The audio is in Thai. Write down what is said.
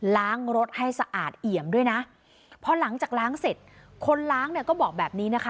ล้างรถให้สะอาดเอี่ยมด้วยนะพอหลังจากล้างเสร็จคนล้างเนี่ยก็บอกแบบนี้นะคะ